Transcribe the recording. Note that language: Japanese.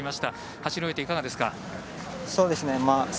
走り終えて、いかがですか？